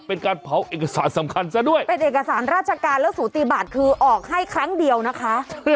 เป็นการเผาเอกสารสำคัญซะด้วยเป็นเอกสารราชการแล้วสูติบัติคือออกให้ครั้งเดียวนะคะ